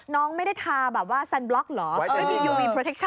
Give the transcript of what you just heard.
น้องเกี่ยวกล้ายกันก่อนนะคะ